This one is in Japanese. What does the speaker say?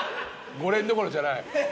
５連どころじゃない。